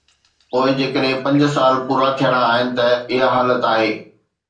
پوءِ جيڪڏهن پنج سال پورا ٿيڻا آهن ته اها حالت آهي.